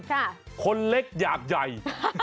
ใช่คนเล็กอย่างใหญ่